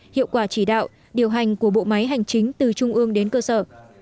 hiệu quả chỉ đạo điều hành của bộ máy hành chính từ trung ương đến cơ sở